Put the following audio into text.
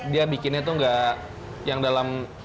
dia bikinnya tuh gak yang dalam